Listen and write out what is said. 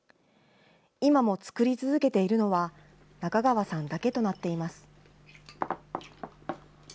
今も作り続けているのは、中川さんだけとなっています。